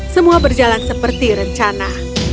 semua berjalan seperti rencana